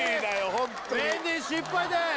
ホントにメンディー失敗です